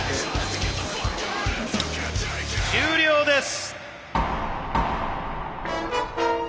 終了です！